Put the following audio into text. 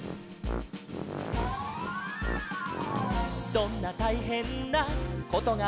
「どんなたいへんなことがおきたって」